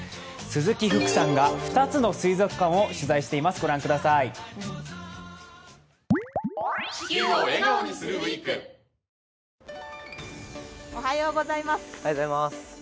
鈴木福さんが２つの水族館を取材しています、ご覧ください。